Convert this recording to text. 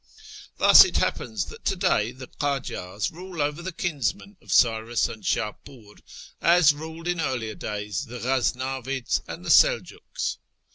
Thus it happens that to day the Kajars rule over the kinsmen of Cyrus and Shapiir, as ruled in earlier days the Ghaznavids and the Seljiiks.